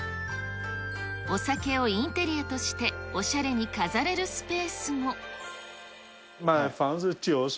お酒をインテリアとしておしゃれに飾れるスペースも。